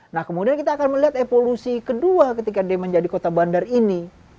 nah kemudian kita akan melihat evolusi kedua ketika dia menjadi kota bandar ini